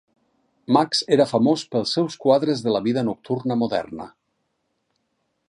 Maks era famós pels seus quadres de la vida nocturna moderna.